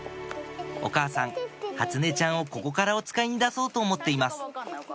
お母さん初音ちゃんをここからおつかいに出そうと思っています